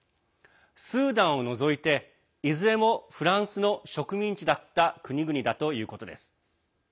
スーダンを除いていずれもフランスの植民地だった国々だということです。